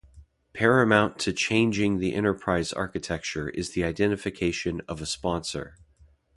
Paramount to "changing" the enterprise architecture is the identification of a sponsor.